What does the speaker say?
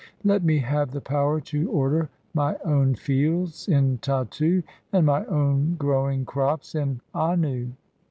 Let me have the power to order "my own fields in Tattu (6) and my own growing crops in "Annu.